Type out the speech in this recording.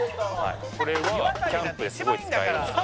これはキャンプですごい使えるんですよ。